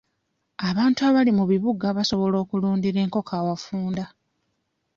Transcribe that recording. Abantu abali mu bibuga basobola okulundira enkoko awafunda.